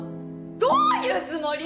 どういうつもり？